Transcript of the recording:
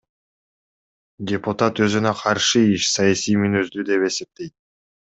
Депутат өзүнө каршы иш саясий мүнөздүү деп эсептейт.